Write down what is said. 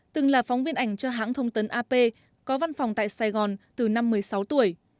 từng là phóng viên ảnh cho hãng thông tấn ap có văn phòng tại sài gòn từ năm một mươi sáu tuổi